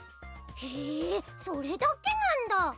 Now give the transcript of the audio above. へえそれだけなんだ。